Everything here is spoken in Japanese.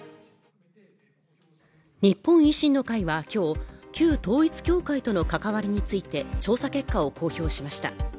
日本維新の会は今日旧統一教会との関わりについて調査結果を公表しました。